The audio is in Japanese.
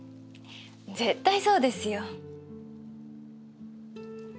絶対そうですよ。